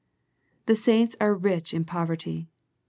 The saints are rich in pov erty.